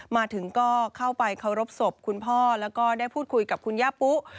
มาถึงก็เข้าไปเคารพศพคุณพ่อแล้วก็ได้พูดคุยกับคุณย่าปุ๊